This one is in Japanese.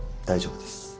大丈夫です。